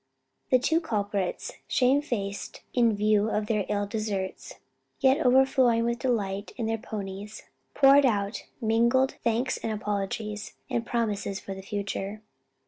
The two culprits, shame faced in view of their ill deserts, yet overflowing with delight in their ponies, poured out mingled thanks and apologies, and promises for the future.